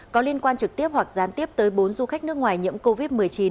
có liên quan trực tiếp hoặc gián tiếp tới bốn du khách nước ngoài nhiễm covid một mươi chín